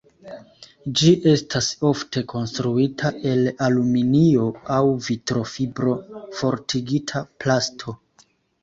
Ĝi estas ofte konstruita el aluminio aŭ vitrofibro-fortigita plasto.